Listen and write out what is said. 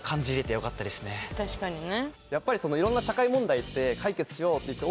確かにね。